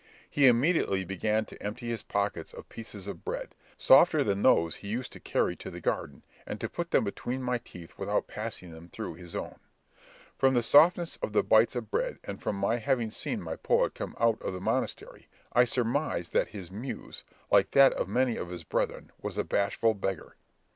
He immediately began to empty his pockets of pieces of bread, softer than those he used to, carry to the garden, and to put them between my teeth without passing them through his own. From the softness of the bits of bread, and my having seen my poet come out of the monastery, I surmised that his muse, like that of many of his brethren, was a bashful beggar.